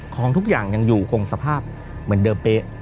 ของทุกอย่างยังอยู่คงสภาพเหมือนเดิมเป๊ะ